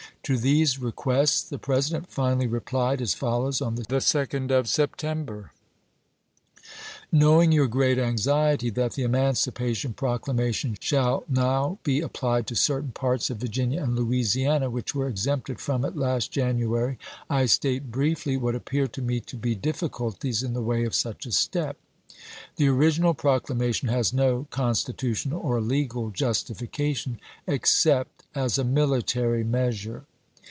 To these requests the President finally replied as foUows on the 2d of September: Knowing your great anxiety that the Emancipation Proclamation shall now be applied to certain parts of Virginia and Louisiana which were exempted from it last January, I state briefly what appear to me to be difficul ties in the way of such a step. The original proclamation has no constitutional or legal justification, except as a military measure.